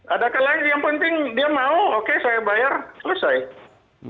ada yang penting dia mau oke saya bayar selesai